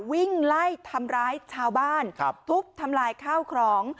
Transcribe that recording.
วิ่งไล่ทำร้ายชาวบ้านทุบทำลายข้าวของ